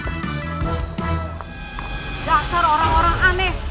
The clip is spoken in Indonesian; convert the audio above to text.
salah satu kalau barunya mereka akan membunuh anda mesma